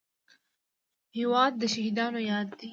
هېواد د شهیدانو یاد دی.